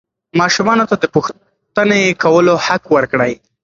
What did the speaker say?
ماشومانو ته د پوښتنې کولو حق ورکړئ.